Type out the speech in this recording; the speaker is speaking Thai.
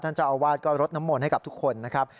เจ้าอาวาสก็รดน้ำมนต์ให้กับทุกคนนะครับ